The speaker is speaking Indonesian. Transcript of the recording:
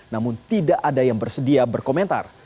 namun tidak ada yang bersedia berkomentar